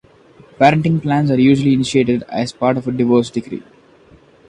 Parenting plans are usually initiated as part of a divorce decree.